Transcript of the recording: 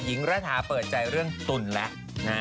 หญิงระทะเปิดใจเรื่องตุลและ